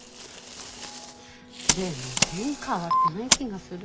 全然変わってない気がする。